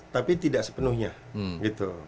tapi tidak sepenuhnya gitu